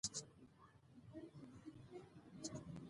په افغانستان کې منی ډېر اهمیت لري.